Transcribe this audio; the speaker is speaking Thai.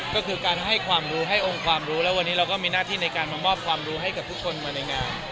ก็คือการให้ความรู้ให้องค์ความรู้แล้ววันนี้เราก็มีหน้าที่ในการมามอบความรู้ให้กับทุกคนมาในงาน